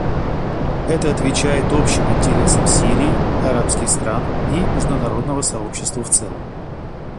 Это отвечает общим интересам Сирии, арабских стран и международного сообщества в целом.